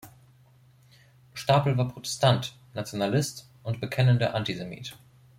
Stapel war Protestant, Nationalist und bekennender Antisemit.